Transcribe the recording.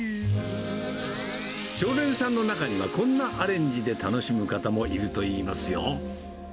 常連さんの中にはこんなアレンジで楽しむ方もいるといいますよ。